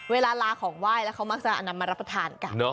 เวลาลาของไหว้แล้วเขามักจะนำมารับประทานกัน